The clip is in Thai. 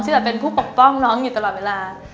ซึ่งแบบเป็นผู้ปกป้องน้องอยู่ตลอดเวลา